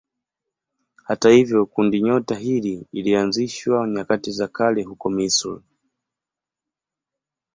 Hata hivyo kundinyota hili lilianzishwa nyakati za kale huko Misri.